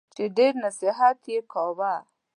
چي ډېر نصیحت یې کاوه !